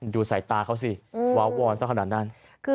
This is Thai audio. ดูสายตาเขาสิว้าวอนสักขนาดนั้น